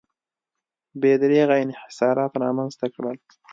بې دریغه انحصارات رامنځته کړل.